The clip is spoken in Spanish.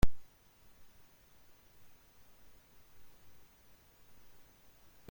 Son el más famoso por la serie The House of the Dead.